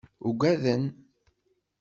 Uggaden.